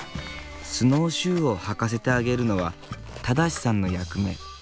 スノーシューを履かせてあげるのは正さんの役目。